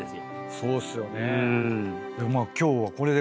そうっすよね。